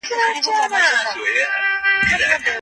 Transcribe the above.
د سياست او سياستپوهنې اصطلاحات زياتره په ناسم ډول کارول کېدل.